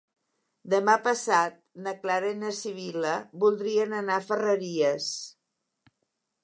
Demà passat na Clara i na Sibil·la voldrien anar a Ferreries.